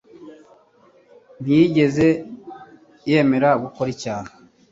Ntiyigeze yemera gukora icyaha.